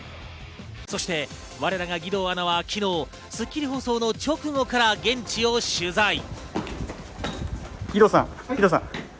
そして我らが義堂アナは昨日『スッキリ』放送の直後から現地を取材。